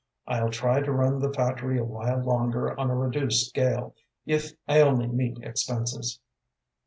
I'll try to run the factory a while longer on a reduced scale, if I only meet expenses."